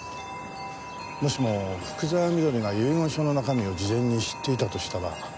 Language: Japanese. もしも福沢美登里が遺言書の中身を事前に知っていたとしたら。